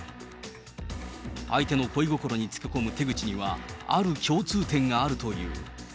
相手の恋心につけ込む手口には、ある共通点があるという。